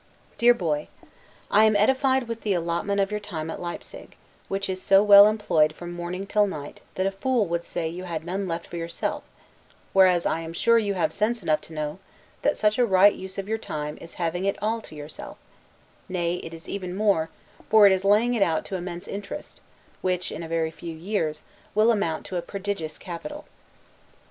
DEAR BOY: I am edified with the allotment of your time at Leipsig; which is so well employed from morning till night, that a fool would say you had none left for yourself; whereas, I am sure you have sense enough to know, that such a right use of your time is having it all to yourself; nay, it is even more, for it is laying it out to immense interest, which, in a very few years, will amount to a prodigious capital.